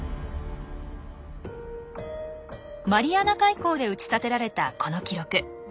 マリアナ海溝で打ち立てられたこの記録。